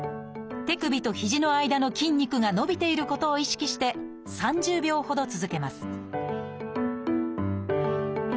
手首と肘の間の筋肉が伸びていることを意識して３０秒ほど続けます